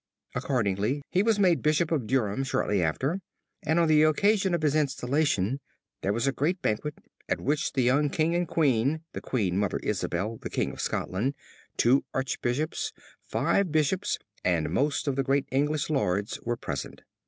Accordingly he was made Bishop of Durham shortly after and on the occasion of his installation there was a great banquet at which the young King and Queen, the Queen Mother Isabelle, the King of Scotland, two Archbishops, five bishops, and most of the great English lords were present.